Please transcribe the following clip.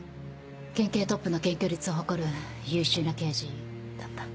県警トップの検挙率を誇る優秀な刑事だった。